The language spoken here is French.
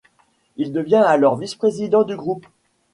Il devient alors vice-président du groupe.